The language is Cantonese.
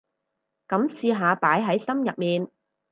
噉試下擺喺心入面